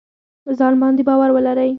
ځان باندې باور ولرئ